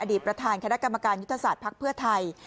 ประธานคณะกรรมการยุทธศาสตร์ภักดิ์เพื่อไทย